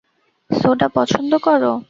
Soda পছন্দ করো?